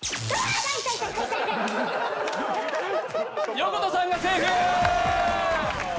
横田さんがセーフ！